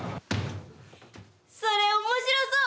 それ面白そう！